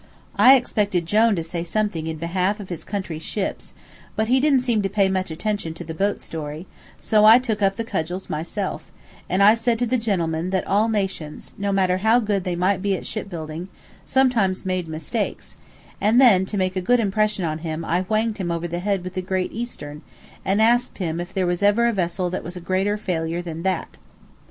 I expected Jone to say something in behalf of his country's ships, but he didn't seem to pay much attention to the boat story, so I took up the cudgels myself, and I said to the gentleman that all nations, no matter how good they might be at ship building, sometimes made mistakes, and then to make a good impression on him I whanged him over the head with the "Great Eastern," and asked him if there ever was a vessel that was a greater failure than that.